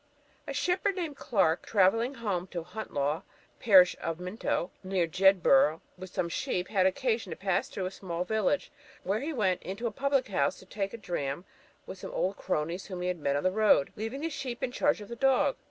A shepherd named Clark, travelling home to Hunt Law, parish of Minto, near Jedburgh, with some sheep, had occasion to pass through a small village, where he went into a public house to take a dram with some cronies whom he had met on the road, leaving the sheep in charge of the dog.